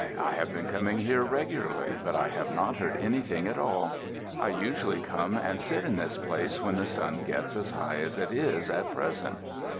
I have been coming here regularly, but I have not heard anything at all. I usually come and sit in this place when the sun gets as high as it is at present."